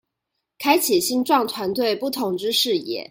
開啟新創團隊不同之視野